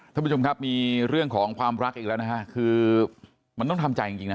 ท่านผู้ชมครับมีเรื่องของความรักอีกแล้วนะฮะคือมันต้องทำใจจริงนะ